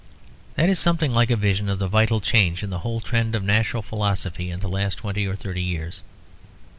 That is something like a vision of the vital change in the whole trend of natural philosophy in the last twenty or thirty years.